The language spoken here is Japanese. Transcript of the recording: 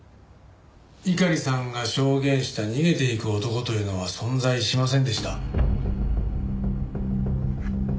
猪狩さんが証言した逃げていく男というのは存在しませんでした。